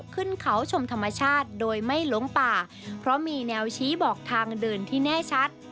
ขึ้นเขาชมธรรมชาติโดยไม่หลงป่าเพราะมีแนวชี้บอกทางเดินที่แน่ชัด